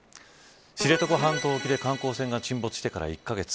知床半島沖で観光船が沈没してから１カ月。